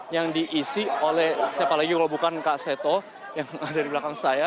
yang diisi oleh siapa lagi kalau bukan kak seto yang ada di belakang saya